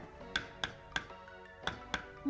meski pandemi berdampak pada geliat ekonomi